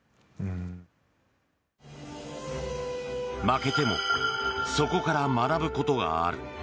負けてもそこから学ぶことがある。